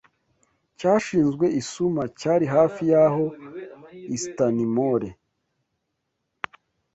cyashinzwe i Suma cyari hafi y’aho i Stanimore.